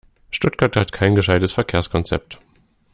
Stuttgart hat kein gescheites Verkehrskonzept.